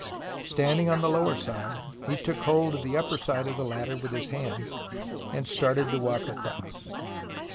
Standing on the lower side, he took hold of the upper side of the ladder with his hands and started to walk across.